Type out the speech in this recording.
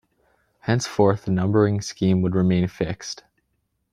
Henceforth, the numbering scheme would remain fixed.